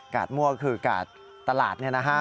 กาดมั่วคือกาดตลาดเนี่ยนะฮะ